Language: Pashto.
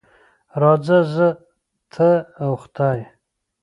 راځه زه، ته او خدای.